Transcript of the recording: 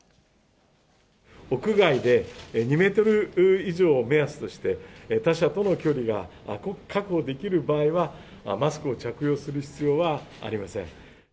屋外で２メートル以上を目安として、他者との距離が確保できる場合は、マスクを着用する必要はありません。